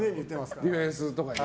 ディフェンスとかに。